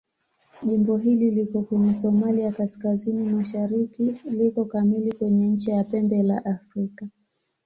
Jimbo hili liko kwenye Somalia kaskazini-mashariki liko kamili kwenye ncha ya Pembe la Afrika.